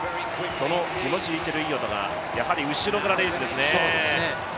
そのティモシー・チェルイヨトがやはり後ろからレースですね。